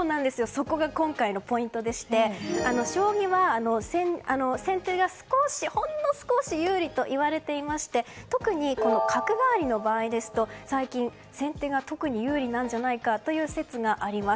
そこが今回のポイントでして将棋は、先手がほんの少し有利といわれていまして特に角換わりの場合ですと最近、先手が特に有利なんじゃないかという説があります。